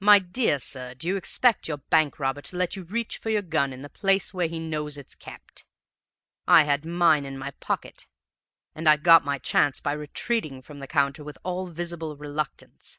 My dear sir, do you expect your bank robber to let you reach for your gun in the place where he knows it's kept? I had mine in my pocket, and I got my chance by retreating from the counter with all visible reluctance.'